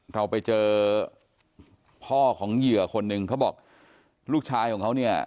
เราไปเจอพ่อของเหยื่อคนหนึ่งเขาบอกลูกชายของเขาเนี่ย